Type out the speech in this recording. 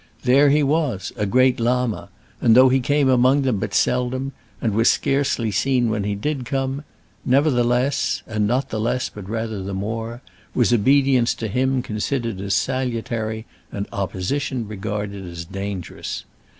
There he was, a great Llama; and though he came among them but seldom, and was scarcely seen when he did come, nevertheless and not the less but rather the more was obedience to him considered as salutary and opposition regarded as dangerous.